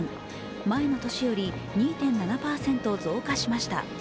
前の年より２．７％増加しました。